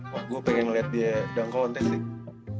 wah gue pengen liat dia dunk contest sih